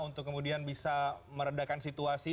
untuk kemudian bisa meredakan situasi